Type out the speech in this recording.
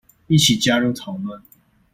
一起加入討論